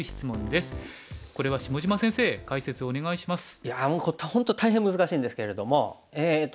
いやもう本当大変難しいんですけれどもえっと